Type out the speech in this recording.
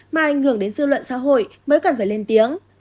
mà ảnh hưởng đến dư luận xã hội mới cần phải lên tiếng